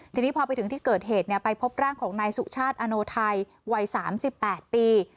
ทีนี้พอไปถึงที่เกิดเหตุเนี่ยไปพบร่างของนายสุชาติอโนไทยวัยสามสิบแปดปี